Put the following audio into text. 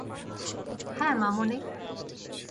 হ্যাঁ, মামুনি।